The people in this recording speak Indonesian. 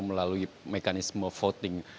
melalui mekanisme voting